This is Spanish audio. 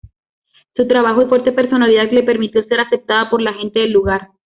Su trabajo y fuerte personalidad le permitió ser aceptada por la gente del lugar.